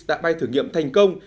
đã bay thử nghiệm thành công